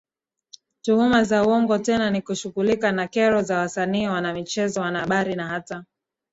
tuhuma za uongo tena ni kushughulika na kero za wasanii wanamichezo wanahabari na hata